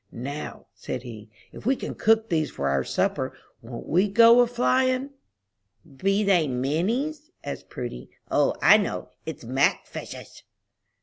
"Now," said he, "if we can cook these for our supper, won't we go a flyin'?" "Be they minnies?" asked Prudy. "O, I know; it's mack fishes!"